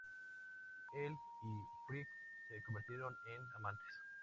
Él y Fright se convirtieron en amantes.